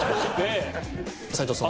齋藤さん。